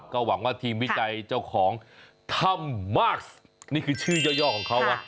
ก็หวังว่าทีมวิจัยเจ้าของถ้ำมากนี่คือชื่อย่อของเขานะ